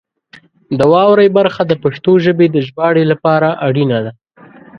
د واورئ برخه د پښتو ژبې د ژباړې لپاره اړینه ده.